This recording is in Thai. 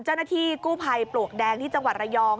เจ้าหน้าที่กู้ภัยปลวกแดงที่จังหวัดระยอง